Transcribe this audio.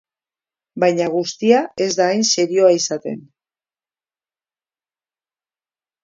Baina guztia ez da hain serioa izaten.